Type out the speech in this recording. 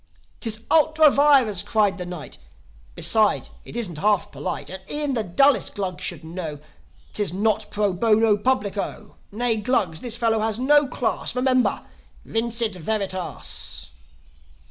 "'Tis ultra vires!" cried the Knight. "Besides, it isn't half polite. And e'en the dullest Glug should know, 'Tis not pro bono publico. Nay, Glugs, this fellow is no class. Remember! Vincit veritas!"